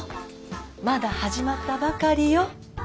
まだ始まったばかりよ。